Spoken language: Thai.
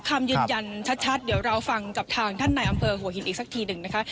คำยืนยันชัดเดี๋ยวเราฟังจากทางท่านนายอำเภอหัวหินอีกสักทีหนึ่งนะคะ